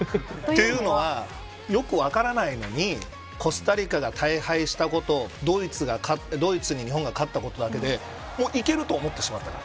というのは、よく分からないのにコスタリカが大敗したことをドイツに日本が勝ったことだけでもう、いけると思ってしまった。